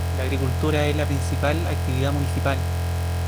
La agricultura es la principal actividad municipal.